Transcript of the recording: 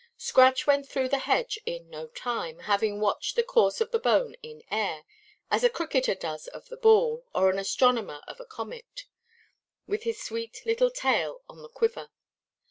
Scratch went through the hedge in no time, having watched the course of the bone in air (as a cricketer does of the ball, or an astronomer of a comet) with his sweet little tail on the quiver.